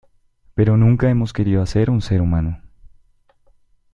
Pero nunca hemos querido hacer un Ser humano!!